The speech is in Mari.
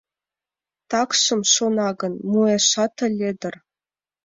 Такшым, шона гын, муэшат ыле дыр.